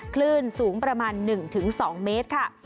คลื่นสูงประมาณหนึ่งถึงสองเมตรค่ะ